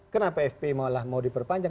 kenapa fpi malah mau diperpanjang